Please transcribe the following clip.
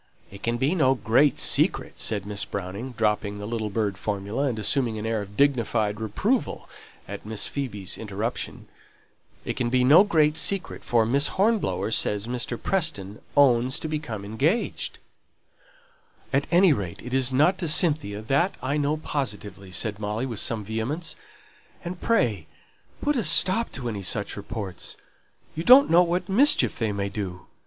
"It can be no great secret," said Miss Browning, dropping the little bird formula, and assuming an air of dignified reproval at Miss Phoebe's interruption, "for Miss Hornblower says Mr. Preston owns to being engaged " "At any rate it isn't to Cynthia, that I know positively," said Molly with some vehemence. "And pray put a stop to any such reports; you don't know what mischief they may do.